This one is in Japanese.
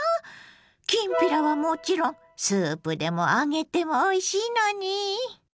きんぴらはもちろんスープでも揚げてもおいしいのに。